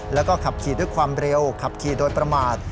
แล้วก็ขับขี่ด้วยความเร็วขับขี่โดยประมาท